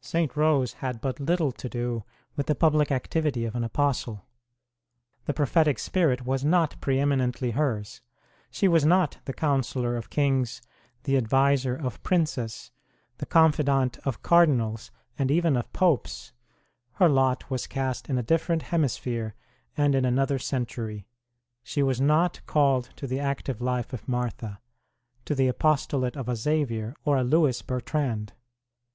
St. Rose had but little to do with the public activity of an apostle ; the prophetic spirit was not pre eminently hers ; she was not the counsellor of Kings, the adviser of Princes, the confidant of Cardinals, and even of Popes ; her lot was cast in a different hemisphere and in another century ; she was not called to the active life of Martha, to the apostolate of a Xavier or a Lewis Bertrand.